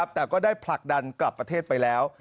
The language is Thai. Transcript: แต่ก็ได้ผลักดันกลับประเทศไปแล้ว